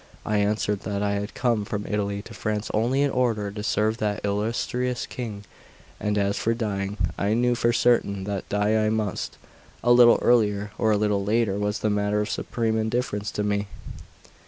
I answered that I had come from Italy to France only in order to serve that illustrious King; and as for dying, I knew for certain that die I must; a little earlier or a little later was a matter of supreme indifference to me.